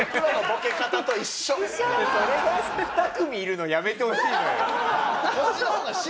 それが２組いるのやめてほしいのよ。